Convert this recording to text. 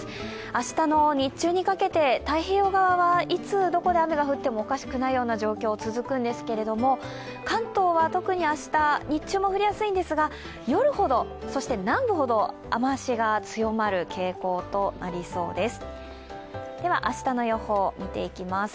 明日の日中にかけて、太平洋側はいつどこで雨が降ってもおかしくない状況が続くんですけれども、関東は特に明日、日中も降りやすいんですが夜ほど、そして南部ほど雨足が強まる傾向となりそうです。